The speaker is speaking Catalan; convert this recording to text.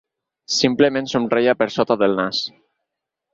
Simplement somreia per sota del nas.